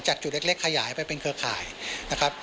จุดเล็กขยายไปเป็นเครือข่ายนะครับ